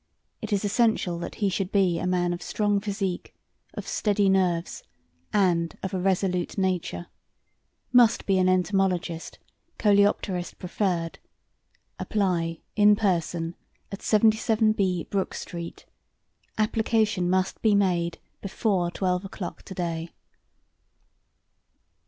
It is essential that he should be a man of strong physique, of steady nerves, and of a resolute nature. Must be an entomologist coleopterist preferred. Apply, in person, at 77B, Brook Street. Application must be made before twelve o'clock today."